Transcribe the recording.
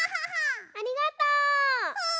ありがとう！